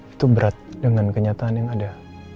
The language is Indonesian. itu berat dengan kenyataan yang ada